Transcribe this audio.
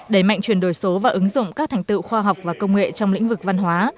đẩy mạnh chuyển đổi số và ứng dụng các thành tựu khoa học và công nghệ trong lĩnh vực văn hóa